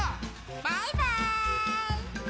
バイバーイ！